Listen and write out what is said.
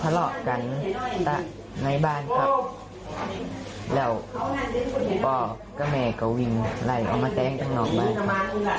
ทะเลาะกันตั้งในบ้านครับแล้วพ่อก็แม่ก็วิ่งไหล่เอามาแต้งตั้งนอกบ้านครับ